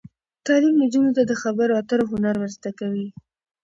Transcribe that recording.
تعلیم نجونو ته د خبرو اترو هنر ور زده کوي.